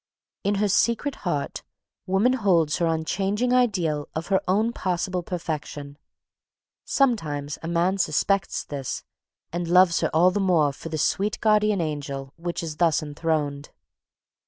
In her secret heart, woman holds her unchanging ideal of her own possible perfection. Sometimes a man suspects this, and loves her all the more for the sweet guardian angel which is thus enthroned.